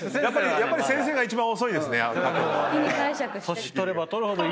やっぱり先生が一番遅いですね書くのは。